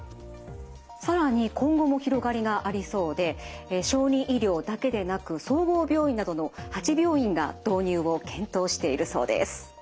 更に今後も広がりがありそうで小児医療だけでなく総合病院などの８病院が導入を検討しているそうです。